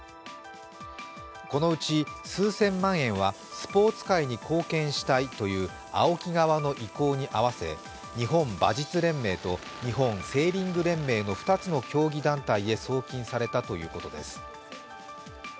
このうち数千万円はスポーツ界に貢献したいというＡＯＫＩ側の意向に合わせ、日本馬術連盟と日本セーリング連盟の２つの競技団体へ送金されたということです。